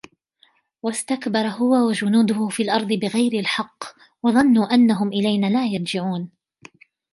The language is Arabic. واستكبر هو وجنوده في الأرض بغير الحق وظنوا أنهم إلينا لا يرجعون